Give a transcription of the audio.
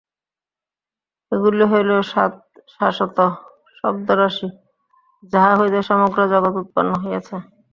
এগুলি হইল শাশ্বত শব্দরাশি, যাহা হইতে সমগ্র জগৎ উৎপন্ন হইয়াছে।